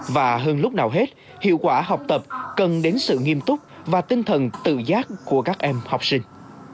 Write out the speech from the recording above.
và hơn lúc nào hết hiệu quả học tập cần đến sự nghiêm túc và tinh thần tự giác của các em học sinh